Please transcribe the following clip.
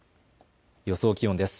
予想気温です。